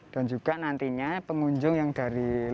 dan juga nantinya pengunjung yang dari luar